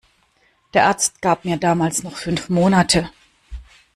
Der Arzt gab mir damals noch fünf Monate.